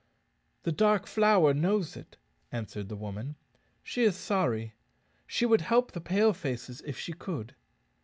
"The Dark Flower knows it," answered the woman; "she is sorry. She would help the Pale faces if she could."